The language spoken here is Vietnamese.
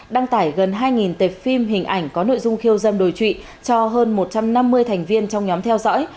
đăng tải gần hai tệp phim hình ảnh có nội dung khiêu dâm đối trụy cho hơn một trăm năm mươi thành viên trong nhóm theo dõi